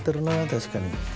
確かに。